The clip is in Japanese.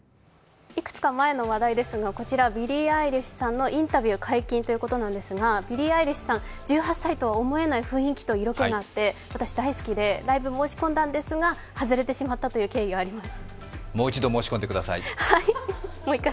こちらビリー・アイリッシュさんのインタビュー解禁ということですがビリー・アイリッシュさん、１８歳とは思えない雰囲気と色気があって、私、大好きでライブ申し込んだんですが外れてしまったという経緯があります。